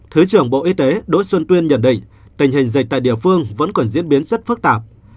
thứ trưởng bộ y tế đỗ xuân tuyên nhận định tình hình dịch tại địa phương vẫn còn diễn biến rất phức tạp